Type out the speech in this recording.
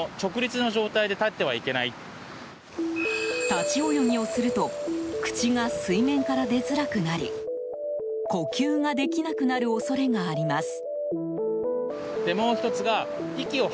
立ち泳ぎをすると口が水面から出づらくなり呼吸ができなくなる恐れがあります。